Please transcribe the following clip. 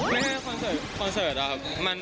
ไม่แค่คอนเซิร์ตคอนเซิร์ตอะครับ